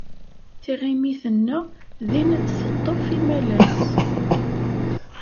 Tiɣimit-nneɣ din ad teṭṭef imalas.